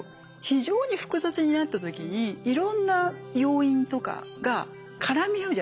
非常に複雑になった時にいろんな要因とかが絡み合うじゃないですか。